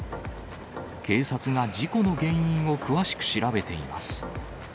警察が事故の原因を詳しく調べています。